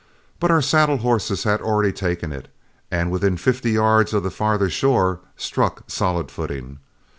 But our saddle horses had already taken it, and when within fifty yards of the farther shore, struck solid footing.